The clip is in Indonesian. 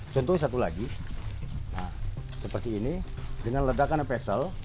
contohnya satu lagi seperti ini dengan ledakan epessel